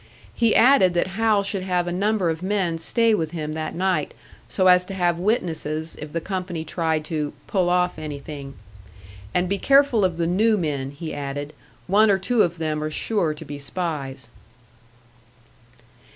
He added that Hal should have a number of men stay with him that night, so as to have witnesses if the company tried to "pull off anything." "And be careful of the new men," he added; "one or two of them are sure to be spies."